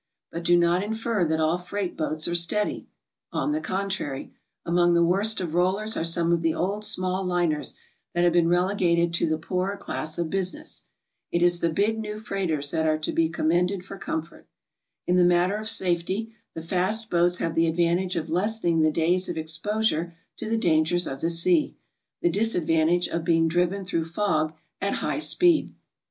But do not infer that all freight boats are steady. On the contrary, among the worst oi rollers are some of the old, small liners that have been relegated to the poorer class of business. It is the big, new freighters that are to be commended for comfort. In the matter of safety the fast boiats have the advantage of lessening the days of exposure to the dangers of the sea, the disadvantage of being driven through fog at high speed.